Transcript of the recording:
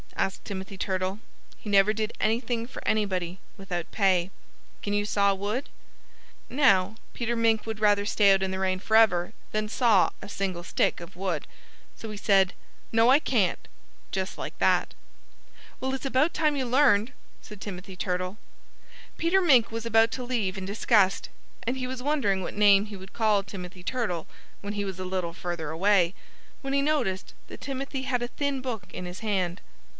asked Timothy Turtle. He never did anything for anybody without pay. "Can you saw wood?" Now, Peter Mink would rather stay out in the rain forever than saw a single stick of wood. So he said: "No, I can't!" just like that. "Well, it's about time you learned," said Timothy Turtle. Peter Mink was about to leave in disgust; and he was wondering what name he would call Timothy Turtle, when he was a little further away, when he noticed that Timothy had a thin book in his hand.